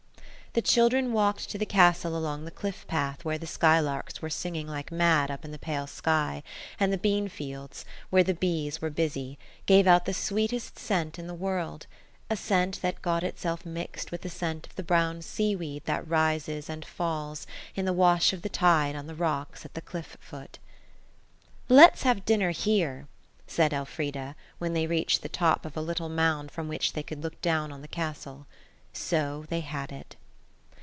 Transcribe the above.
The children walked to the castle along the cliff path where the skylarks were singing like mad up in the pale sky, and the bean fields, where the bees were busy, gave out the sweetest scent in the world–a scent that got itself mixed with the scent of the brown seaweed that rises and falls in the wash of the tide on the rocks at the cliff foot. "Let's have dinner here," said Elfrida, when they reached the top of a little mound from which they could look down on the castle. So they had it.